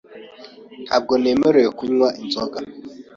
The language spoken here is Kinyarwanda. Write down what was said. Ntabwo nemerewe kunywa inzoga .